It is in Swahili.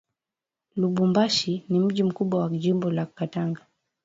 Lubumbashi ni mji mkubwa wa jimbo la katanga